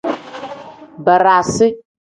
Barasi.